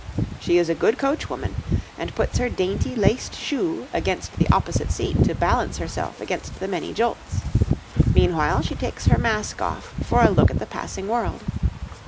She is a good coachwoman, and puts her dainty laced shoe against the opposite seat to balance herself against the many jolts; meanwhile she takes her mask off for a look at the passing world.